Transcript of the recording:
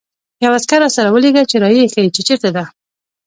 یو عسکر راسره ولېږه چې را يې ښيي، چې چېرته ده.